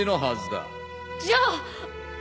じゃあ。